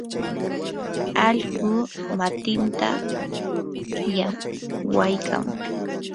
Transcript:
allqu matinta llaqwaykan.